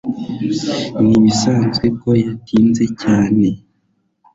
ntibisanzwe ko yatinze cyane